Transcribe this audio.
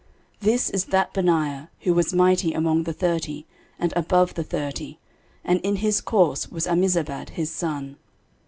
13:027:006 This is that Benaiah, who was mighty among the thirty, and above the thirty: and in his course was Ammizabad his son.